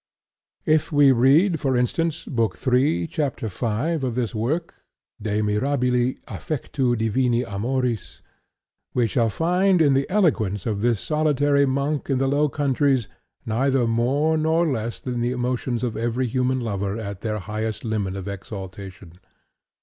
If we read, for instance, Book III, Chapter V, of this work ("De Mirabili affectu Divini amoris"), we shall find in the eloquence of this solitary monk in the Low Countries neither more nor less than the emotions of every human lover at their highest limit of exaltation.